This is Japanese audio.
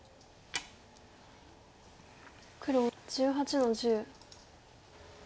黒１８の十。